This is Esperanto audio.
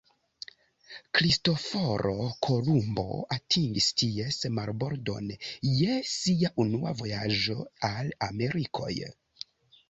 Kristoforo Kolumbo atingis ties marbordon je sia unua vojaĝo al Amerikoj.